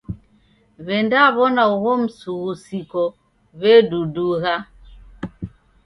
W'endaw'ona ugho msughusiko w'edudugha.